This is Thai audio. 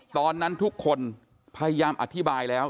ตอนนั้นทุกคนพยายามอธิบายแล้ว